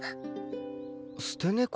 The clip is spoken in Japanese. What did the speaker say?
捨て猫？